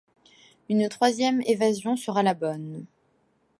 Une troisième évasion sera la bonne.